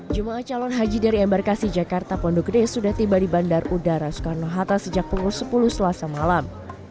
jemaah calon haji dari embarkasi jakarta pondok gede sudah tiba di bandar udara soekarno hatta sejak pukul sepuluh selasa malam